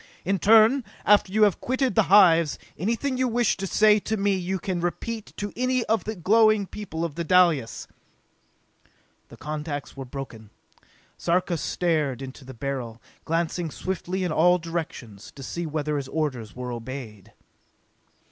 In turn, after you have quitted the hives, anything you wish to say to me you can repeat to any one of the glowing people of Dalis!" The contacts were broken. Sarka stared into the Beryl, glancing swiftly in all directions, to see whether his orders were obeyed.